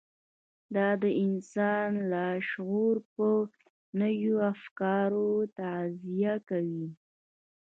دا د انسان لاشعور په نويو افکارو تغذيه کوي.